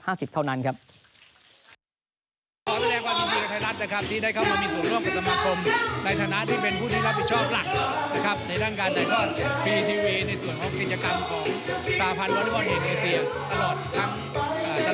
ได้มีโอกาสถ่ายทอดกีฬาแมตต์สำคัญสำคัญของอีเทียทุกรายการ